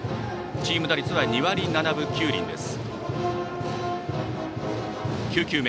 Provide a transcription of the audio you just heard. チーム打率は２割７分９厘です。